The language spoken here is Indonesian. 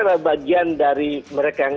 adalah bagian dari mereka yang